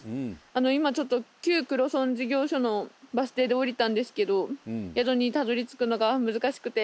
今黒尊事業所のバス停で降りたんですけど宿にたどり着くのが難しくて。